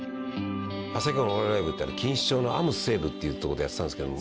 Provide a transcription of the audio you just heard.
浅井企画のお笑いライブって錦糸町のアムス西武っていうとこでやってたんですけど。